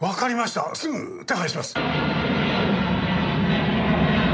すぐ手配します。